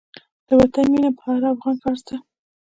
د وطن مينه په هر افغان فرض ده.